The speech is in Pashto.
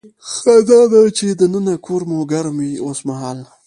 ښه ده چې دننه کور مو ګرم وي اوسمهال.